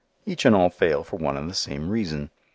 Each and all fail for one and the same reason.